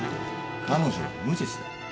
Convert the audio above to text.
彼女は無実だ。